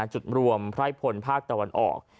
จุดรวมไพร่พลภาคตะวันออก